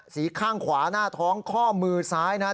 ข้างขวาหน้าท้องข้อมือซ้ายนะครับ